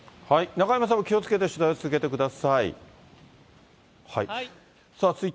中山さんも気をつけて取材を続けてください。